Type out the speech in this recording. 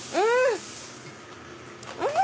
うん！